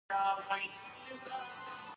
افغانستان د ښتې په برخه کې نړیوال شهرت لري.